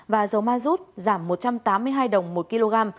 và dầu mazut giảm một trăm tám mươi hai đồng một kg